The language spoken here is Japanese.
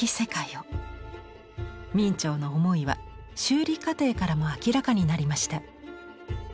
明兆の思いは修理過程からも明らかになりました。